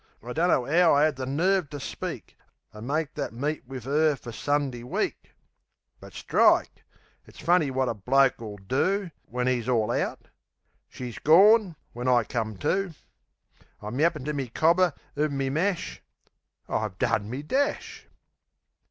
I dunno'ow I 'ad the nerve ter speak, An' make that meet wiv 'er fer Sundee week! But strike! It's funny wot a bloke'll do When 'e's all out...She's gorn, when I come to. I'm yappin' to me cobber uv me mash.... I've done me dash!